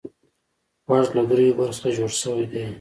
غوږ له دریو برخو څخه جوړ شوی دی.